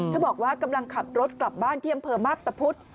บอกว่ากำลังขับรถกลับบ้านที่อำเภอมาพตะพุธ